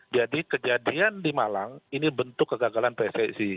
jadi kejadian di malang ini bentuk kegagalan pssi